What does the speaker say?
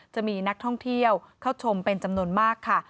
จะมีนักท่องเที่ยวเข้าชมเป็นจำนวนมากค่ะ